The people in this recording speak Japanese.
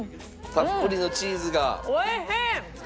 たっぷりのチーズが。